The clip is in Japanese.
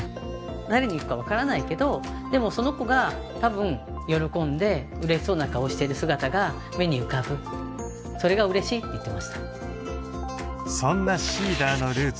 誰に行くかわからないけどでもその子が多分喜んで嬉しそうな顔をしている姿が目に浮かぶそれが嬉しいって言ってました